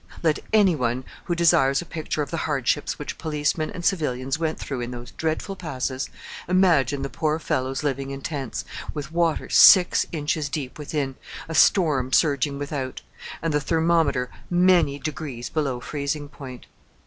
Let any one who desires a picture of the hardships which policemen and civilians went through in those dreadful Passes imagine the poor fellows living in tents, with water six inches deep within, a storm surging without and the thermometer many degrees below freezing point!